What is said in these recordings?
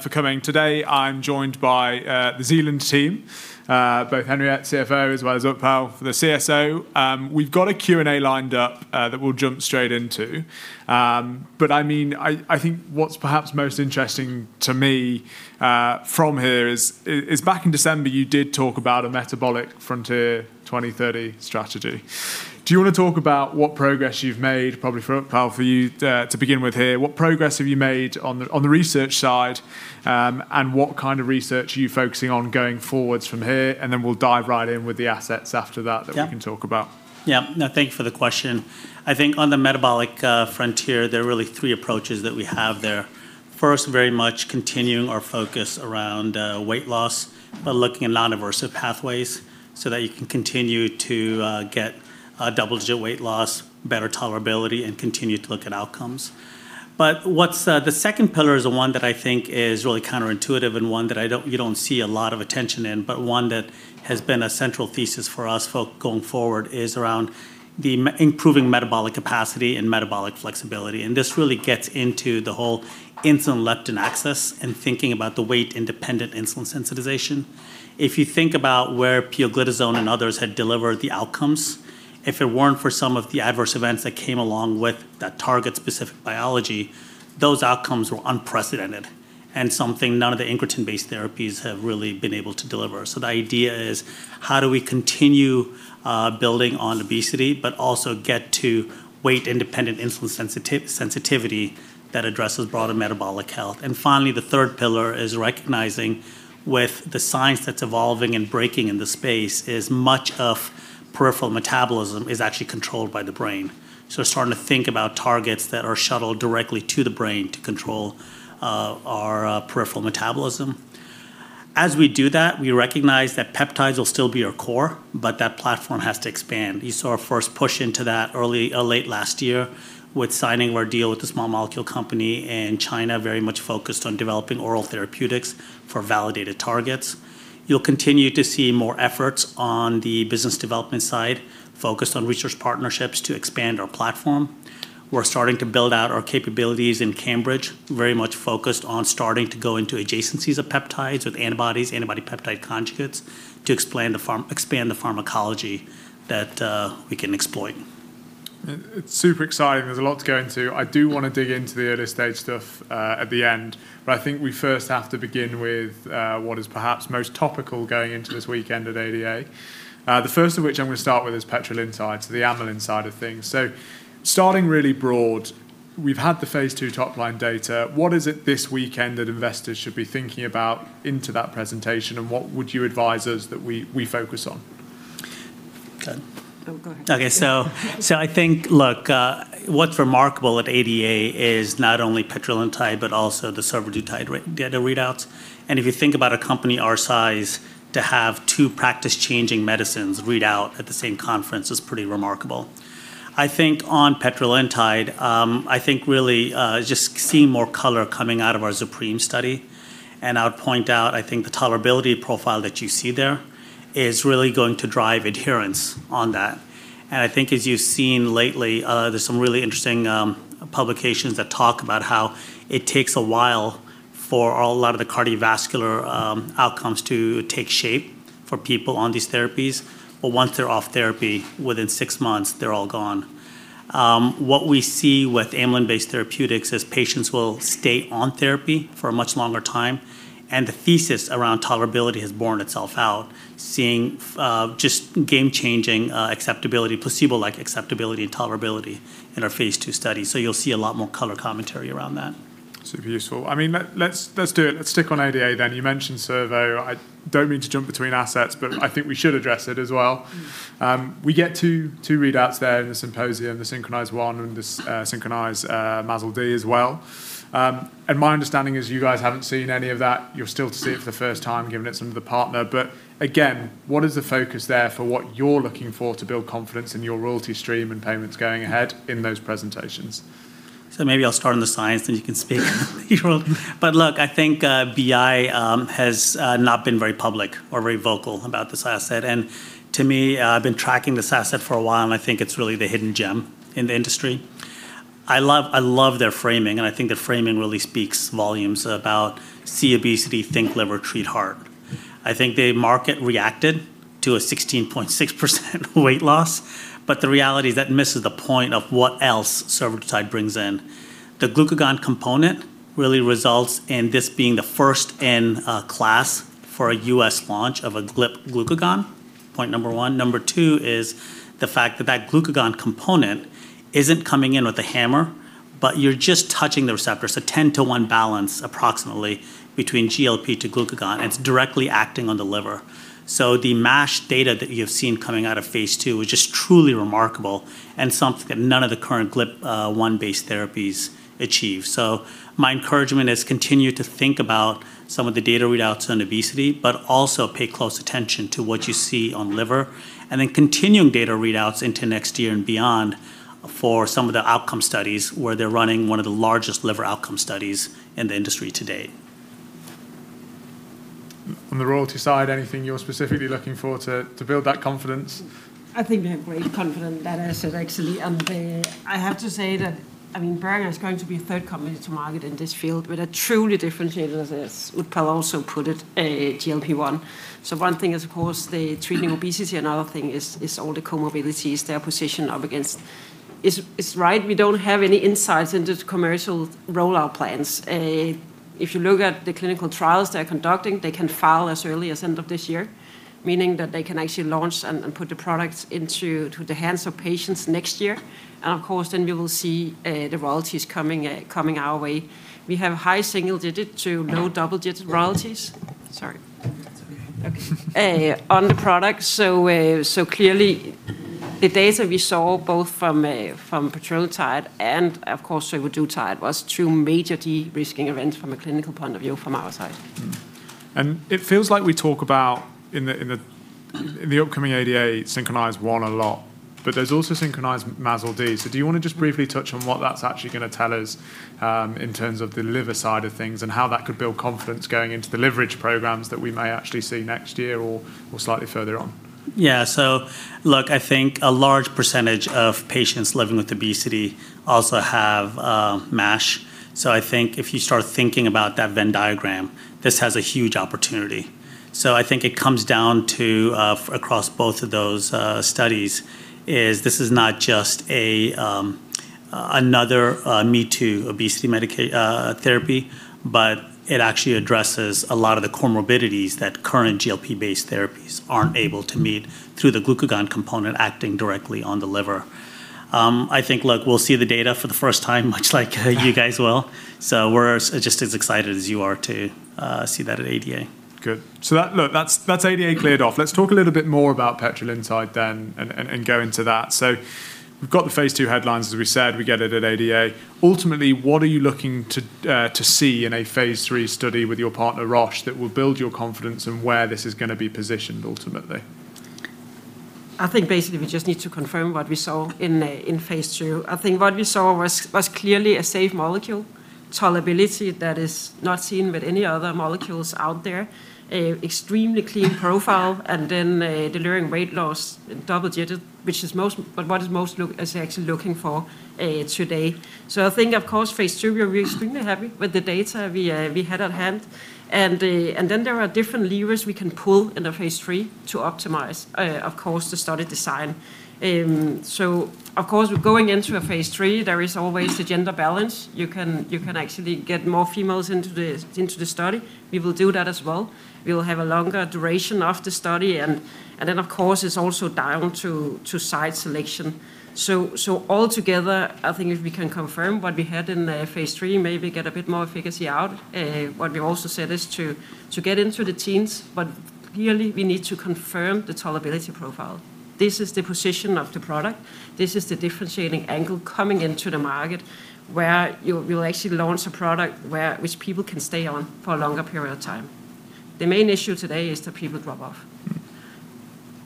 For coming today. I'm joined by the Zealand team, both Henriette, CFO, as well as Utpal, the CSO. We've got a Q&A lined up that we'll jump straight into. I think what's perhaps most interesting to me from here is back in December you did talk about a Metabolic Frontier 2030 strategy. Do you want to talk about what progress you've made? Probably for Utpal, for you to begin with here, what progress have you made on the research side, and what kind of research are you focusing on going forwards from here? Then we'll dive right in with the assets after that. Yep. That we can talk about. Yeah. No, thank you for the question. I think on the Metabolic Frontier, there are really three approaches that we have there. First, very much continuing our focus around weight loss, but looking at non-aversive pathways so that you can continue to get double-digit weight loss, better tolerability, and continue to look at outcomes. The second pillar is the one that I think is really counterintuitive and one that you don't see a lot of attention in, but one that has been a central thesis for us going forward is around improving metabolic capacity and metabolic flexibility. This really gets into the whole insulin-leptin axis and thinking about the weight-independent insulin sensitization. If you think about where pioglitazone and others had delivered the outcomes, if it weren't for some of the adverse events that came along with that target-specific biology, those outcomes were unprecedented and something none of the incretin-based therapies have really been able to deliver. The idea is how do we continue building on obesity, but also get to weight-independent insulin sensitivity that addresses broader metabolic health. Finally, the third pillar is recognizing with the science that's evolving and breaking in the space is much of peripheral metabolism is actually controlled by the brain. Starting to think about targets that are shuttled directly to the brain to control our peripheral metabolism. As we do that, we recognize that peptides will still be our core, but that platform has to expand. You saw our first push into that late last year with signing our deal with a small molecule company in China, very much focused on developing oral therapeutics for validated targets. You'll continue to see more efforts on the business development side focused on research partnerships to expand our platform. We're starting to build out our capabilities in Cambridge, very much focused on starting to go into adjacencies of peptides with antibodies, antibody-peptide conjugates to expand the pharmacology that we can exploit. It's super exciting. There's a lot to go into. I do want to dig into the early-stage stuff at the end, but I think we first have to begin with what is perhaps most topical going into this weekend at ADA. The first of which I'm going to start with is petrelintide, so the amylin side of things. Starting really broad, we've had the phase II top line data. What is it this weekend that investors should be thinking about into that presentation, and what would you advise us that we focus on? Okay. Oh, go ahead. I think, look, what's remarkable at ADA is not only petrelintide but also the survodutide data readouts. If you think about a company our size, to have two practice-changing medicines read out at the same conference is pretty remarkable. I think on petrelintide, I think really just seeing more color coming out of our ZUPREME study, and I would point out, I think the tolerability profile that you see there is really going to drive adherence on that. I think as you've seen lately, there's some really interesting publications that talk about how it takes a while for a lot of the cardiovascular outcomes to take shape for people on these therapies. Once they're off therapy, within six months, they're all gone. What we see with amylin-based therapeutics is patients will stay on therapy for a much longer time, and the thesis around tolerability has borne itself out, seeing just game-changing acceptability, placebo-like acceptability, and tolerability in our phase II study. You'll see a lot more color commentary around that. Super useful. Let's do it. Let's stick on ADA. You mentioned survo. I don't mean to jump between assets. I think we should address it as well. We get two readouts there in the symposium, the SYNCHRONIZE-1 and the SYNCHRONIZE-MASLD as well. My understanding is you guys haven't seen any of that. You're still to see it for the first time, given it's under the partner. Again, what is the focus there for what you're looking for to build confidence in your royalty stream and payments going ahead in those presentations? Maybe I'll start on the science, then you can speak on the royalty. Look, I think BI has not been very public or very vocal about this asset. To me, I've been tracking this asset for a while, and I think it's really the hidden gem in the industry. I love their framing, and I think the framing really speaks volumes about "See obesity, think liver, treat heart." I think the market reacted to a 16.6% weight loss, but the reality is that misses the point of what else survodutide brings in. The glucagon component really results in this being the first in class for a U.S. launch of a GLP-1 glucagon, point number one. Number two is the fact that glucagon component isn't coming in with a hammer, but you're just touching the receptor, so 10:1 balance approximately between GLP-1 to glucagon, and it's directly acting on the liver. The MASH data that you've seen coming out of phase II, which is truly remarkable and something that none of the current GLP-1-based therapies achieve. My encouragement is continue to think about some of the data readouts on obesity, but also pay close attention to what you see on liver, and then continuing data readouts into next year and beyond for some of the outcome studies where they're running one of the largest liver outcome studies in the industry to date. On the royalty side, anything you're specifically looking for to build that confidence? I think we have great confidence that is it actually. I have to say that, Boehringer is going to be a third company to market in this field with a truly differentiated, as Utpal also put it, a GLP-1. One thing is, of course, the treating obesity. Another thing is all the comorbidities, their position up against is right. We don't have any insights into the commercial rollout plans. If you look at the clinical trials they're conducting, they can file as early as end of this year, meaning that they can actually launch and put the products into the hands of patients next year. Of course, then we will see the royalties coming our way. We have high single-digit to low double-digit royalties. Sorry. That's okay. On the product. Clearly the data we saw both from petrelintide and of course, survodutide was two major de-risking events from a clinical point of view from our side. It feels like we talk about, in the upcoming ADA SYNCHRONIZE-1 a lot, but there's also SYNCHRONIZE-MASLD. Do you want to just briefly touch on what that's actually going to tell us, in terms of the liver side of things and how that could build confidence going into the liver programs that we may actually see next year or slightly further on? Look, I think a large percentage of patients living with obesity also have MASH. I think if you start thinking about that Venn diagram, this has a huge opportunity. I think it comes down to, across both of those studies, is this is not just another me-too obesity therapy, but it actually addresses a lot of the comorbidities that current GLP-based therapies aren't able to meet through the glucagon component acting directly on the liver. I think, look, we'll see the data for the first time, much like you guys will. We're just as excited as you are to see that at ADA. Good. Look, that's ADA cleared off. Let's talk a little bit more about petrelintide and go into that. We've got the phase II headlines, as we said, we get it at ADA. Ultimately, what are you looking to see in a phase III study with your partner, Roche, that will build your confidence in where this is going to be positioned ultimately? I think basically we just need to confirm what we saw in phase II. I think what we saw was clearly a safe molecule, tolerability that is not seen with any other molecules out there. Extremely clean profile. Then delivering weight loss double-digit. What is most actually looking for today. I think of course phase II, we are extremely happy with the data we had at hand. There are different levers we can pull in the phase III to optimize, of course, the study design. Of course, going into a phase III, there is always the gender balance. You can actually get more females into the study. We will do that as well. We will have a longer duration of the study. Of course, it is also down to site selection. Altogether, I think if we can confirm what we had in the phase III, maybe get a bit more efficacy out. What we also said is to get into the teens, but clearly we need to confirm the tolerability profile. This is the position of the product. This is the differentiating angle coming into the market where you'll actually launch a product which people can stay on for a longer period of time. The main issue today is that people drop off.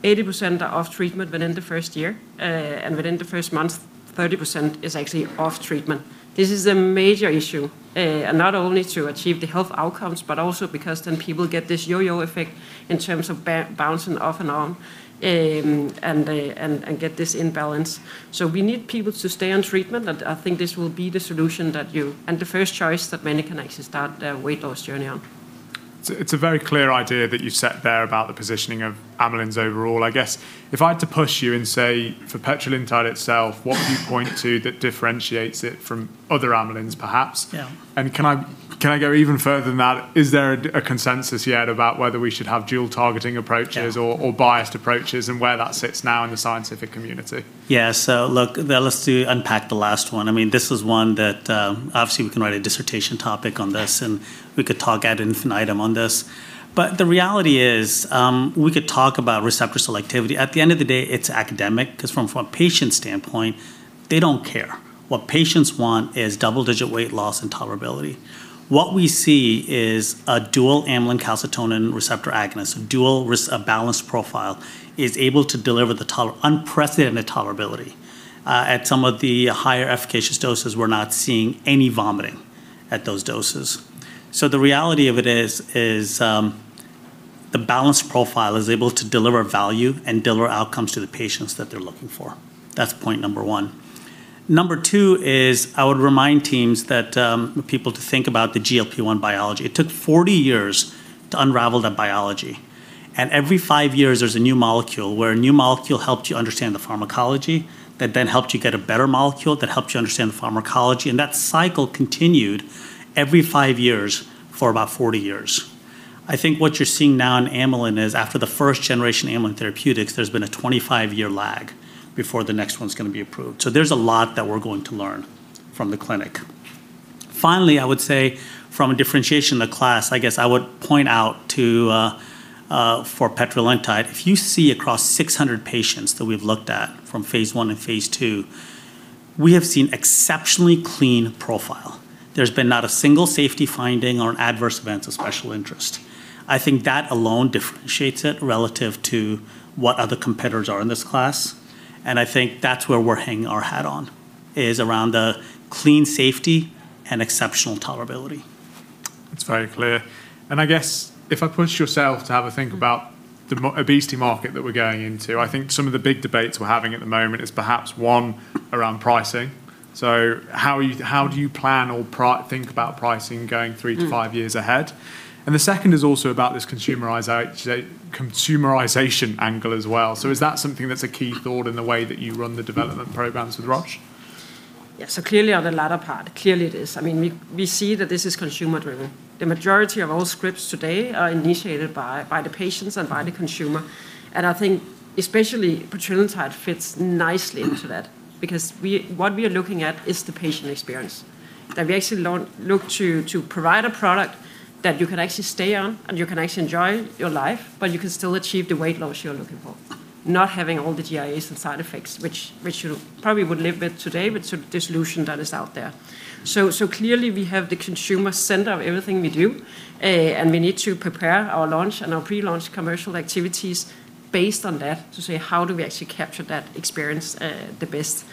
80% are off treatment within the first year. Within the first month, 30% is actually off treatment. This is a major issue, not only to achieve the health outcomes, but also because then people get this yo-yo effect in terms of bouncing off and on, and get this imbalance. We need people to stay on treatment, and I think this will be the solution and the first choice that many can actually start their weight loss journey on. It's a very clear idea that you've set there about the positioning of amylins overall. I guess if I had to push you and say for petrelintide itself, what would you point to that differentiates it from other amylins perhaps? Yeah. Can I go even further than that? Is there a consensus yet about whether we should have dual targeting approaches? Yeah. Or biased approaches and where that sits now in the scientific community? Look, let's do unpack the last one. This is one that, obviously we can write a dissertation topic on this, and we could talk ad infinitum on this. The reality is, we could talk about receptor selectivity. At the end of the day, it's academic because from a patient standpoint, they don't care. What patients want is double-digit weight loss and tolerability. What we see is a dual amylin and calcitonin receptor agonist, a balanced profile, is able to deliver unprecedented tolerability. At some of the higher efficacious doses, we're not seeing any vomiting at those doses. The reality of it is, the balanced profile is able to deliver value and deliver outcomes to the patients that they're looking for. That's point number one. Number two is I would remind teams that, people to think about the GLP-1 biology. It took 40 years to unravel that biology. Every five years there's a new molecule where a new molecule helped you understand the pharmacology, that then helped you get a better molecule that helped you understand the pharmacology, and that cycle continued every five years for about 40 years. I think what you're seeing now in amylin is after the first generation amylin therapeutics, there's been a 25-year lag before the next one's going to be approved. There's a lot that we're going to learn from the clinic. Finally, I would say from a differentiation in the class, I guess I would point out to, for petrelintide, if you see across 600 patients that we've looked at from phase I and phase II, we have seen exceptionally clean profile. There's been not a single safety finding or an adverse event of special interest. I think that alone differentiates it relative to what other competitors are in this class. I think that's where we're hanging our hat on, is around the clean safety and exceptional tolerability. That's very clear. I guess if I push yourself to have a think about the obesity market that we're going into, I think some of the big debates we're having at the moment is perhaps one around pricing. How do you plan or think about pricing going three to five years ahead? The second is also about this consumerization angle as well. Is that something that's a key thought in the way that you run the development programs with Roche? Yeah. Clearly on the latter part, clearly it is. We see that this is consumer-driven. The majority of all scripts today are initiated by the patients and by the consumer. I think especially petrelintide fits nicely into that, because what we are looking at is the patient experience. That we actually look to provide a product that you can actually stay on and you can actually enjoy your life, but you can still achieve the weight loss you're looking for, not having all the GI issues and side effects, which you probably would live with today with the solution that is out there. Clearly we have the consumer center of everything we do, and we need to prepare our launch and our pre-launch commercial activities based on that to say how do we actually capture that experience the best.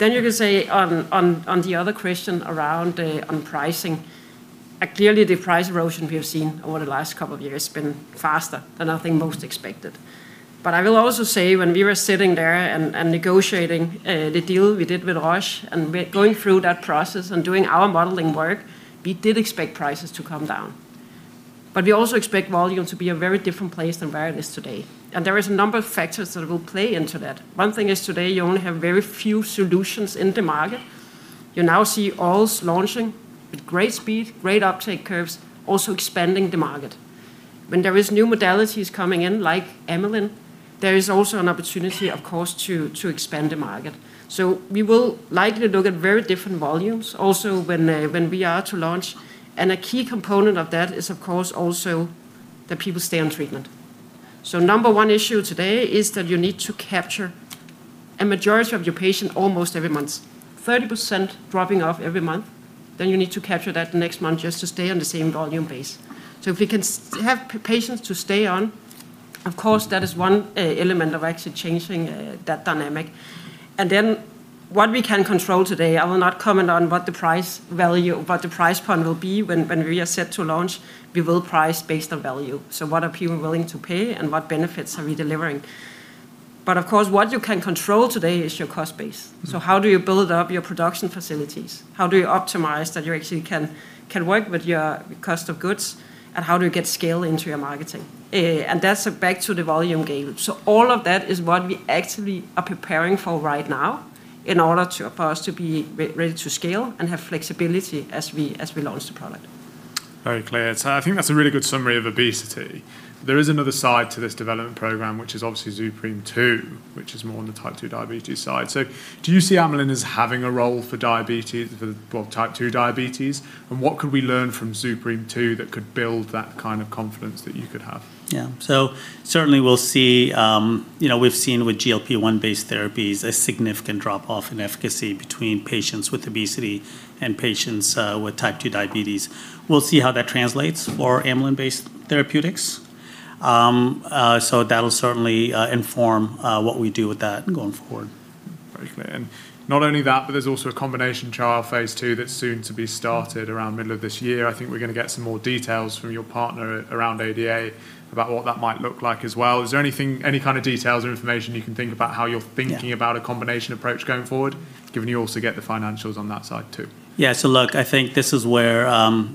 You can say on the other question around on pricing, clearly the price erosion we have seen over the last couple of years has been faster than I think most expected. I will also say when we were sitting there and negotiating the deal we did with Roche, and going through that process and doing our modeling work, we did expect prices to come down. But we also expect volume to be a very different place compared to where it is today. There is a number of factors that will play into that. One thing is today you only have very few solutions in the market. You now see orals launching with great speed, great uptake curves, also expanding the market. When there is new modalities coming in like amylin, there is also an opportunity of course to expand the market. We will likely look at very different volumes also when we are to launch, and a key component of that is of course also that people stay on treatment. Number one issue today is that you need to capture a majority of your patient almost every month. 30% dropping off every month, then you need to capture that the next month just to stay on the same volume base. If we can have patients to stay on, of course, that is one element of actually changing that dynamic. What we can control today, I will not comment on what the price point will be when we are set to launch. We will price based on value. What are people willing to pay and what benefits are we delivering? Of course, what you can control today is your cost base. How do you build up your production facilities? How do you optimize that you actually can work with your cost of goods, and how do you get scale into your marketing? That's back to the volume game. All of that is what we actively are preparing for right now in order for us to be ready to scale and have flexibility as we launch the product. Very clear. I think that's a really good summary of obesity. There is another side to this development program, which is obviously ZUPREME-2, which is more on the type 2 diabetes side. Do you see amylin as having a role for type 2 diabetes, and what could we learn from ZUPREME-2 that could build that kind of confidence that you could have? Yeah. Certainly we've seen with GLP-1-based therapies, a significant drop-off in efficacy between patients with obesity and patients with type 2 diabetes. We'll see how that translates for amylin-based therapeutics. That'll certainly inform what we do with that going forward. Very clear. Not only that, but there's also a combination trial phase II that's soon to be started around middle of this year. I think we're going to get some more details from your partner around ADA about what that might look like as well. Is there any kind of details or information you can think about how you're thinking about- Yeah. a combination approach going forward, given you also get the financials on that side, too? Yeah. Look, I think this is where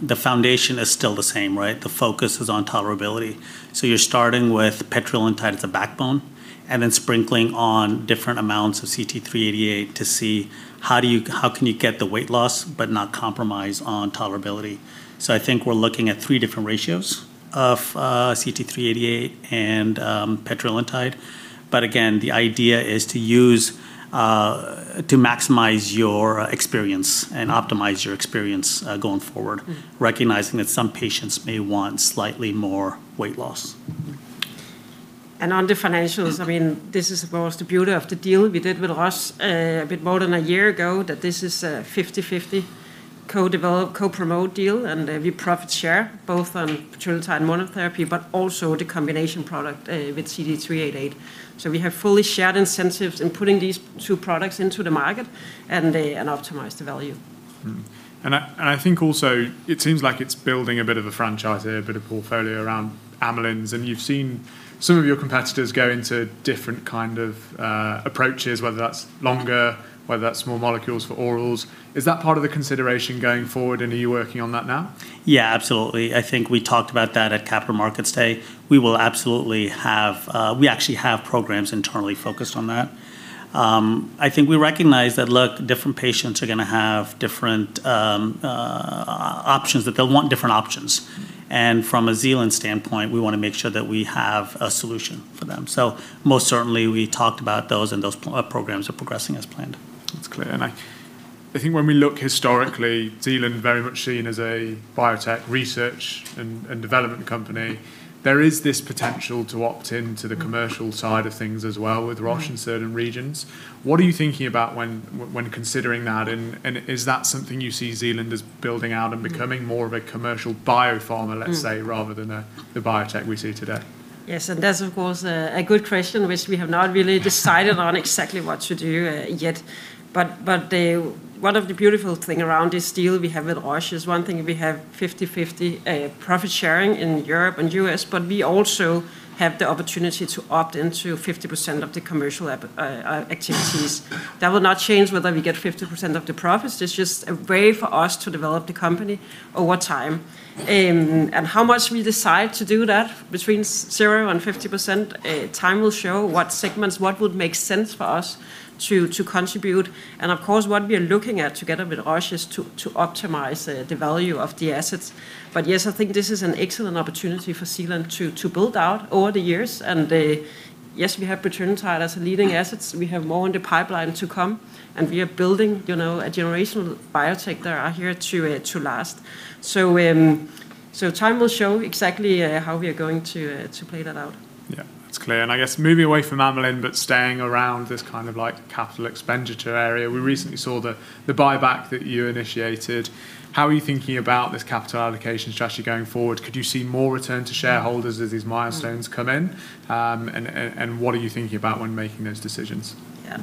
the foundation is still the same, right? The focus is on tolerability. You're starting with petrelintide as a backbone, and then sprinkling on different amounts of CT-388 to see how can you get the weight loss but not compromise on tolerability. I think we're looking at three different ratios of CT-388 and petrelintide. Again, the idea is to maximize your experience and optimize your experience going forward, recognizing that some patients may want slightly more weight loss. On the financials, this is, of course, the beauty of the deal we did with Roche a bit more than a year ago, that this is a 50/50 co-develop, co-promote deal, and we profit share both on petrelintide monotherapy, but also the combination product with CT-388. We have fully shared incentives in putting these two products into the market, and optimize the value. I think also it seems like it's building a bit of a franchise there, a bit of portfolio around amylins, and you've seen some of your competitors go into different kind of approaches, whether that's longer, whether that's small molecules for orals. Is that part of the consideration going forward and are you working on that now? Yeah, absolutely. I think we talked about that at Capital Markets Day. We actually have programs internally focused on that. I think we recognize that, look, different patients are going to have different options, that they'll want different options. From a Zealand standpoint, we want to make sure that we have a solution for them. Most certainly, we talked about those, and those programs are progressing as planned. That's clear. I think when we look historically, Zealand very much seen as a biotech research and development company. There is this potential to opt into the commercial side of things as well with Roche in certain regions. What are you thinking about when considering that, and is that something you see Zealand as building out and becoming more of a commercial biopharma, let's say, rather than the biotech we see today? Yes, that's, of course, a good question, which we have not really decided on exactly what to do yet. One of the beautiful things around this deal we have with Roche is one thing, we have 50/50 profit sharing in Europe and U.S., but we also have the opportunity to opt into 50% of the commercial activities. That will not change whether we get 50% of the profits. It's just a way for us to develop the company over time. How much we decide to do that between zero and 50%, time will show what segments, what would make sense for us to contribute. Of course, what we are looking at together with Roche is to optimize the value of the assets. Yes, I think this is an excellent opportunity for Zealand to build out over the years. Yes, we have petrelintide as leading assets. We have more in the pipeline to come, and we are building a generational biotech that are here to last. Time will show exactly how we are going to play that out. Yeah, that's clear. I guess moving away from amylin, but staying around this kind of capital expenditure area, we recently saw the buyback that you initiated. How are you thinking about this capital allocation strategy going forward? Could you see more return to shareholders as these milestones come in? What are you thinking about when making those decisions? Yeah.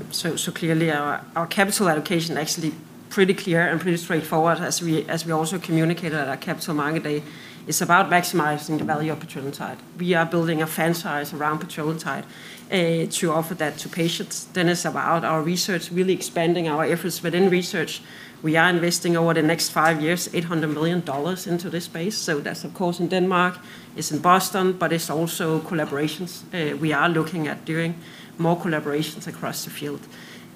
Clearly, our capital allocation actually pretty clear and pretty straightforward as we also communicated at our Capital Markets Day. It's about maximizing the value of petrelintide. We are building a franchise around petrelintide to offer that to patients. It's about our research, really expanding our efforts within research. We are investing over the next five years, $800 million into this space. That's, of course, in Denmark. It's in Boston, but it's also collaborations. We are looking at doing more collaborations across the field.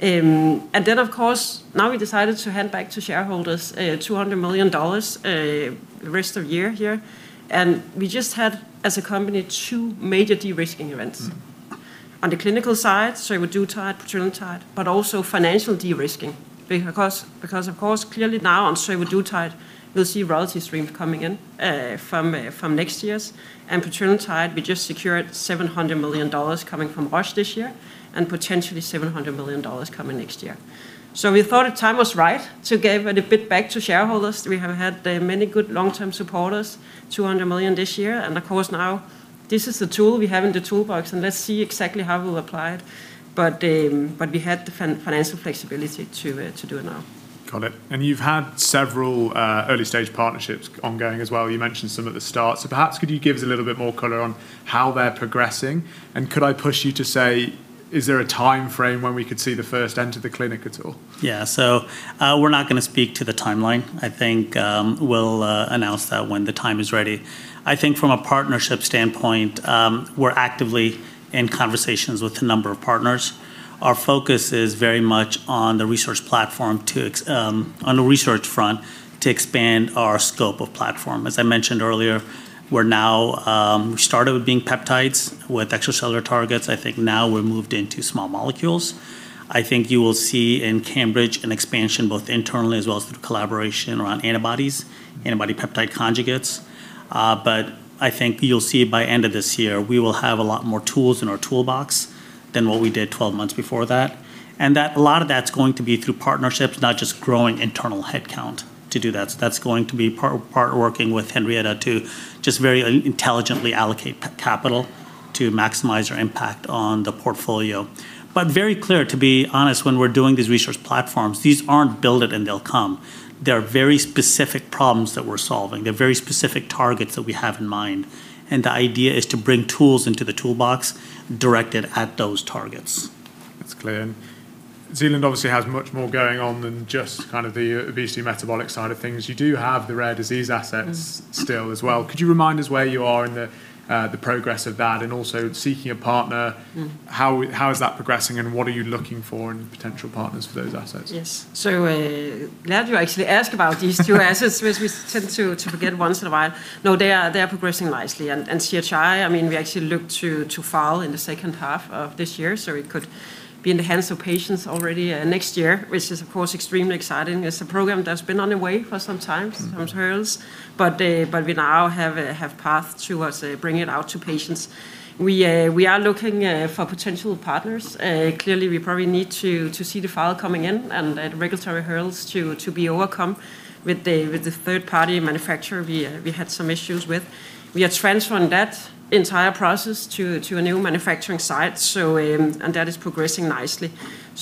Then of course, now we decided to hand back to shareholders $200 million rest of year here. We just had, as a company, two major de-risking events. On the clinical side, survodutide, petrelintide, but also financial de-risking. Of course, clearly now on survodutide, you'll see royalty stream coming in from next year. Petrelintide, we just secured $700 million coming from Roche this year, potentially $700 million coming next year. We thought the time was right to give a little bit back to shareholders. We have had many good long-term supporters, $200 million this year. Of course, now this is the tool we have in the toolbox, let's see exactly how we'll apply it. We had the financial flexibility to do it now. Got it. You've had several early-stage partnerships ongoing as well. You mentioned some at the start. Perhaps could you give us a little bit more color on how they're progressing, and could I push you to say, is there a timeframe when we could see the first enter the clinic at all? Yeah. We're not going to speak to the timeline. I think we'll announce that when the time is ready. I think from a partnership standpoint, we're actively in conversations with a number of partners. Our focus is very much on the research front to expand our scope of platform. As I mentioned earlier, we started with being peptides with extracellular targets. I think now we've moved into small molecules. I think you will see in Cambridge an expansion both internally as well as through collaboration around antibodies, antibody-peptide conjugates. I think you'll see by end of this year, we will have a lot more tools in our toolbox than what we did 12 months before that. That a lot of that's going to be through partnerships, not just growing internal headcount to do that. That's going to be part working with Henriette to just very intelligently allocate capital to maximize our impact on the portfolio. Very clear, to be honest, when we're doing these research platforms, these aren't build it and they'll come. They're very specific problems that we're solving. They're very specific targets that we have in mind, and the idea is to bring tools into the toolbox directed at those targets. That's clear. Zealand obviously has much more going on than just kind of the obesity metabolic side of things. You do have the rare disease assets still as well. Could you remind us where you are in the progress of that, and also seeking a partner? How is that progressing, and what are you looking for in potential partners for those assets? Yes. Glad you actually ask about these two assets, which we tend to forget once in a while. They are progressing nicely. CHI, we actually look to file in the second half of this year, so it could be in the hands of patients already next year, which is, of course, extremely exciting. It's a program that's been on the way for some time, some trials, but we now have path towards bringing it out to patients. We are looking for potential partners. Clearly, we probably need to see the file coming in and the regulatory hurdles to be overcome with the third-party manufacturer we had some issues with. We have transferred that entire process to a new manufacturing site, and that is progressing nicely.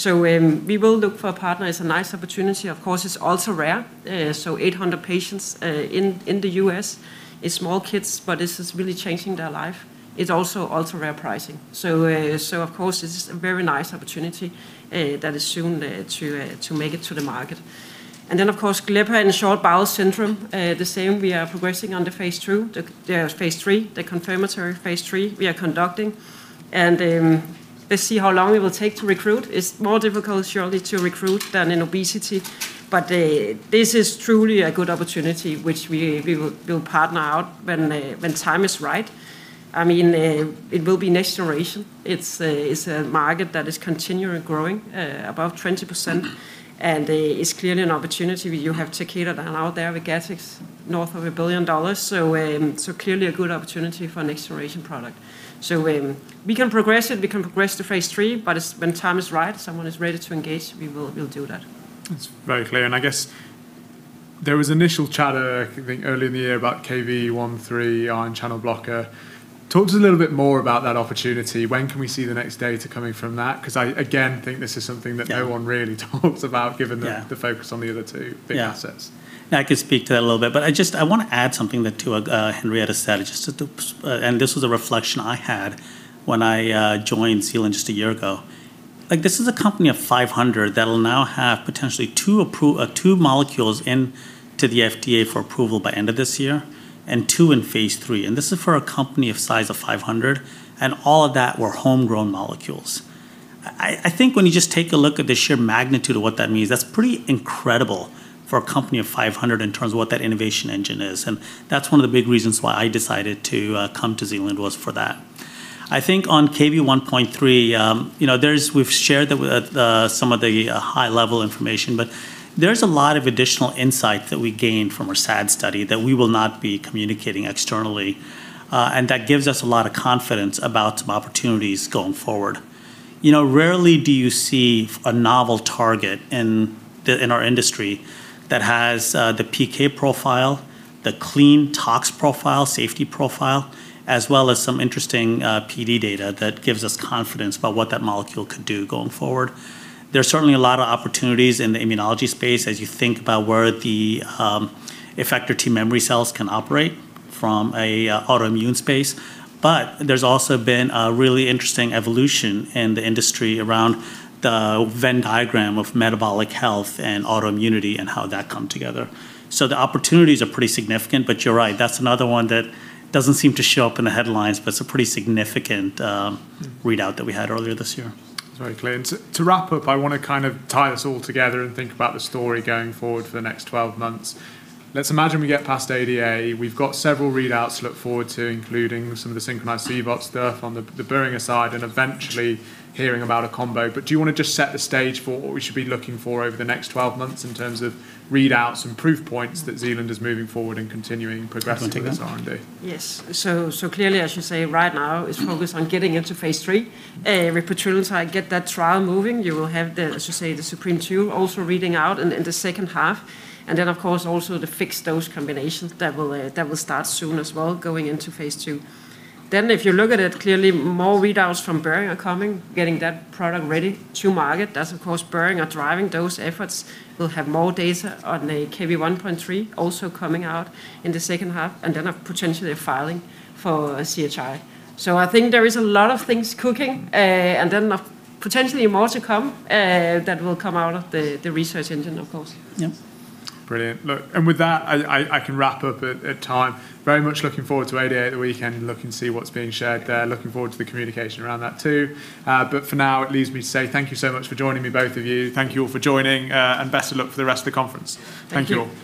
We will look for a partner. It's a nice opportunity. Of course, it's ultra-rare, so 800 patients in the U.S. It's small kids, but this is really changing their life. It's also ultra-rare pricing. Of course, this is a very nice opportunity that is soon to make it to the market. Of course, glepaglutide in short bowel syndrome, the same. We are progressing on the phase III, the confirmatory phase III we are conducting. Let's see how long it will take to recruit. It's more difficult, surely, to recruit than in obesity. This is truly a good opportunity, which we will partner out when time is right. It will be next generation. It's a market that is continually growing, about 20%, and it's clearly an opportunity where you have Takeda and out there with Gattex, north of $1 billion. Clearly a good opportunity for next generation product. We can progress it. We can progress to phase III, but it's when time is right, someone is ready to engage, we'll do that. That's very clear. There was initial chatter, I think, early in the year about Kv1.3 ion channel blocker. Talk to us a little bit more about that opportunity. When can we see the next data coming from that? I, again, think this is something that no one really talks about, given the focus on the other two big assets. I can speak to that a little bit, but I want to add something that Henriette said, and this was a reflection I had when I joined Zealand just a year ago. This is a company of 500 that'll now have potentially two molecules into the FDA for approval by end of this year, and two in phase III, and this is for a company of size of 500, and all of that were homegrown molecules. I think when you just take a look at the sheer magnitude of what that means, that's pretty incredible for a company of 500 in terms of what that innovation engine is, and that's one of the big reasons why I decided to come to Zealand was for that. I think on Kv1.3, we've shared some of the high-level information, but there's a lot of additional insight that we gained from our SAD study that we will not be communicating externally. That gives us a lot of confidence about some opportunities going forward. Rarely do you see a novel target in our industry that has the PK profile, the clean tox profile, safety profile, as well as some interesting PD data that gives us confidence about what that molecule could do going forward. There's certainly a lot of opportunities in the immunology space as you think about where the effector T memory cells can operate from a autoimmune space, but there's also been a really interesting evolution in the industry around the Venn diagram of metabolic health and autoimmunity and how that come together. The opportunities are pretty significant, but you're right, that's another one that doesn't seem to show up in the headlines, but it's a pretty significant readout that we had earlier this year. That's very clear. To wrap up, I want to tie this all together and think about the story going forward for the next 12 months. Let's imagine we get past ADA. We've got several readouts to look forward to, including some of the SYNCHRONIZE-CVOT stuff on the Boehringer side and eventually hearing about a combo. Do you want to just set the stage for what we should be looking for over the next 12 months in terms of readouts and proof points that Zealand is moving forward and continuing progressing its R&D? Do you want to take that? Yes. Clearly, I should say right now is focused on getting into phase III. With petrelintide, get that trial moving. You will have the, as you say, the ZUPREME-2 also reading out in the second half, and then of course also the fixed-dose combinations that will start soon as well going into phase II. If you look at it, clearly more readouts from Boehringer are coming, getting that product ready to market. That's of course Boehringer driving those efforts. We'll have more data on the Kv1.3 also coming out in the second half, and then potentially a filing for CHI. I think there is a lot of things cooking, and then potentially more to come that will come out of the research engine, of course. Yeah. Brilliant. Look, with that, I can wrap up at time. Very much looking forward to ADA at the weekend and look and see what's being shared there. Looking forward to the communication around that too. For now, it leaves me to say thank you so much for joining me, both of you. Thank you all for joining, and best of luck for the rest of the conference. Thank you. Thank you.